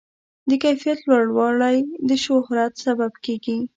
د کیفیت لوړوالی د شهرت سبب کېږي.